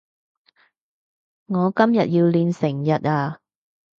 我今日要練成日呀